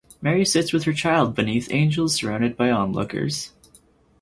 Mary sits with her child beneath angels surrounded by onlookers.